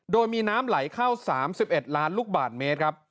โดยมีน้ำไหลเข้าสามสิบเอ็ดล้านลูกบาทเมตรครับ